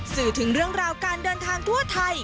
สื่อถึงเรื่องราวการเดินทางทั่วไทย